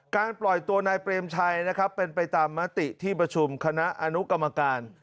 ปล่อยตัวนายเปรมชัยนะครับเป็นไปตามมติที่ประชุมคณะอนุกรรมการ